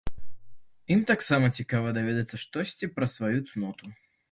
Ім таксама цікава даведацца штосьці пра сваю цноту.